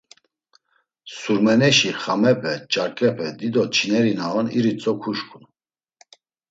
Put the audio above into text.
Surmeneşi xamepe, ç̌arǩepe dido çineri na on iritzos kuşǩun.